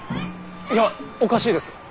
いやおかしいです。